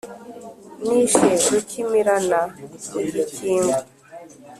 nishe rukimirana mu gikingo